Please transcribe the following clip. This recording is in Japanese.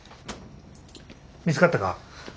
見つかったか？